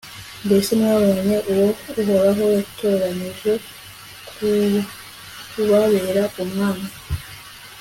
mbese mwabonye uwo uhoraho yatoranyije kubabera umwami